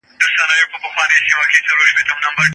زده کړه د ښوونیزو او اجتماعي بدلونونو لامل کیدای سي.